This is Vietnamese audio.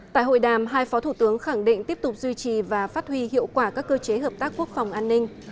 tại hội đàm hai phó thủ tướng khẳng định tiếp tục duy trì và phát huy hiệu quả các cơ chế hợp tác quốc phòng an ninh